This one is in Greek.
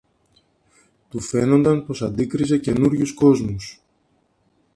Του φαίνουνταν πως αντίκριζε καινούριους κόσμους.